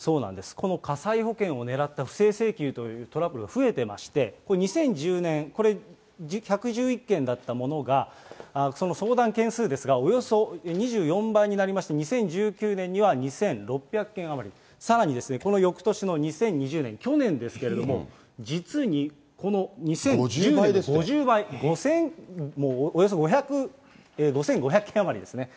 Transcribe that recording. この火災保険を狙った不正請求というトラブルが増えていまして、これ２０１０年、これ、１１１件だったものがその相談件数ですが、およそ２４倍になりまして、２０１９年には２６００件余り、さらに、このよくとしの２０２０年・去年ですけれども、５０倍、およそ５５００件余りですね。